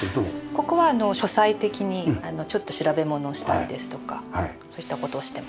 ここは書斎的にちょっと調べ物をしたりですとかそういった事をしてます。